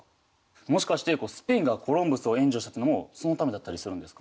もしかしてスペインがコロンブスを援助したっていうのもそのためだったりするんですか？